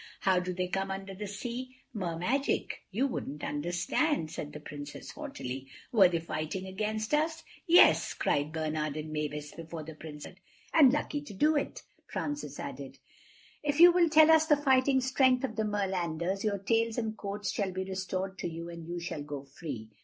"How do they come under the sea?" "Mer magic. You wouldn't understand," said the Princess haughtily. "Were they fighting against us?" "Yes," cried Bernard and Mavis before the Princess answered. "And lucky to do it," Francis added. "If you will tell us the fighting strength of the Merlanders, your tails and coats shall be restored to you and you shall go free.